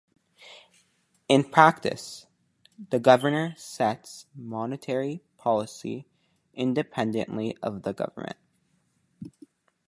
In practice, the Governor sets monetary policy independently of the government.